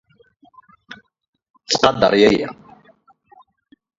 Ttqadar yaya.